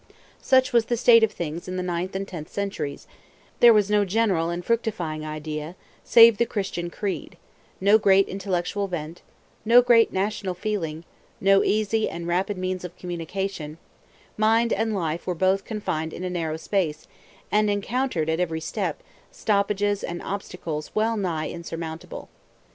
Such was the state of things in the ninth and tenth centuries; there was no general and fructifying idea, save the Christian creed; no great intellectual vent; no great national feeling; no easy and rapid means of communication; mind and life were both confined in a narrow space, and encountered, at every step, stoppages and obstacles well nigh insurmountable.